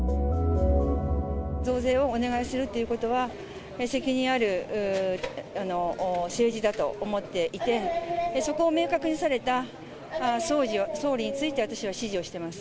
増税をお願いするということは、責任ある政治だと思っていて、そこを明確にされた総理について、私は支持をしてます。